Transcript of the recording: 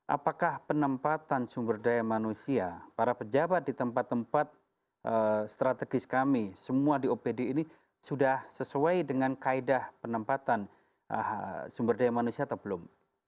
apakah penempatan sumber daya manusia para pejabat di tempat tempat strategis kami semua di opd ini sudah sesuai dengan kaedah penempatan sumber daya manusia atau belum